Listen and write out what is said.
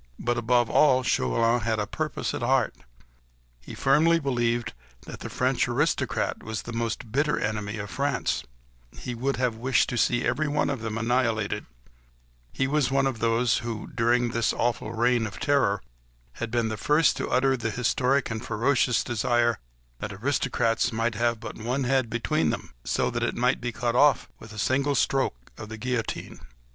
But, above all, Chauvelin had a purpose at heart. He firmly believed that the French aristocrat was the most bitter enemy of France; he would have wished to see every one of them annihilated: he was one of those who, during this awful Reign of Terror, had been the first to utter the historic and ferocious desire "that aristocrats might have but one head between them, so that it might be cut off with a single stroke of the guillotine."